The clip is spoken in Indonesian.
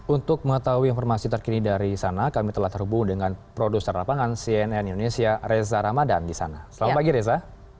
untuk mengetahui informasi terkini dari sana kami telah terhubung dengan produser lapangan cnn indonesia reza ramadan di sana selamat pagi reza